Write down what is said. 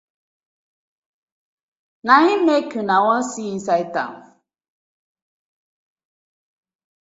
Na im mek una wan see inside town.